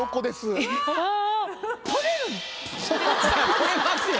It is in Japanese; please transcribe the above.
取れますよ。